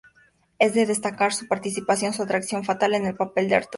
Es de destacar su participación en Atracción fatal, en el papel de Arthur.